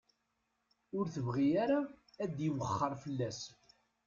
Ur tebɣi ara ad iwexxer fell-as.